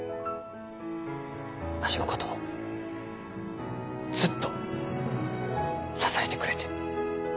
わしのこともずっと支えてくれて。